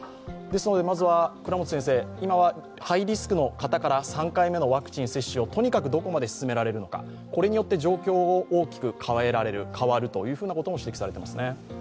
まずは、今はハイリスクの方から３回目のワクチン接種をとにかくどこまで進められるのか、これによって状況が大きく変わるということが指摘されていますね。